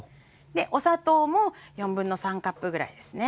お砂糖も3/4カップぐらいですね。